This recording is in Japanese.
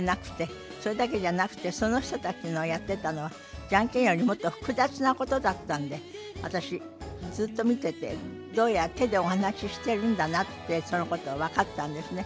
それだけじゃなくてその人たちのやってたのはジャンケンよりもっと複雑なことだったんで私ずっと見ててどうやら手でお話ししてるんだなってそのことが分かったんですね。